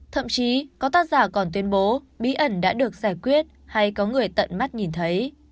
thậm chí có tác giả còn tuyên bố bí ẩn đã được giải quyết hay có người tận mắt nhìn thấy